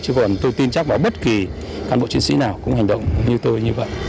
chứ còn tôi tin chắc vào bất kỳ cán bộ chiến sĩ nào cũng hành động như tôi như vậy